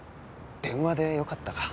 電話でよかったか。